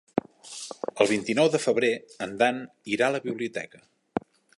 El vint-i-nou de febrer en Dan irà a la biblioteca.